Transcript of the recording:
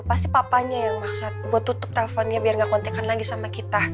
pasti papanya yang maksa buat tutup telponnya biar gak kontekan lagi sama kita